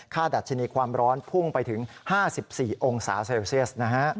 ดัชนีความร้อนพุ่งไปถึง๕๔องศาเซลเซียสนะฮะ